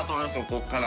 ここから。